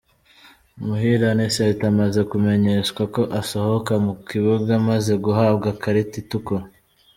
Muhire Anicet amaze kumenyeshwa ko asohoka mu kibuga amaze guhabwa ikarita itukura.